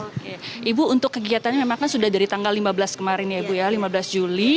oke ibu untuk kegiatannya memang kan sudah dari tanggal lima belas kemarin ya ibu ya lima belas juli